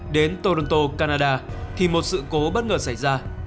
đến toronto canada thì một sự cố bất ngờ xảy ra